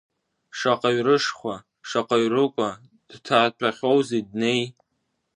Шаҟаҩ рышхәа, шаҟаҩ рыкәа дҭатәахьоузеи днеи!